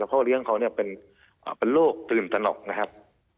พ่อเลี้ยงเขาเนี่ยเป็นโรคตื่นตนกนะครับ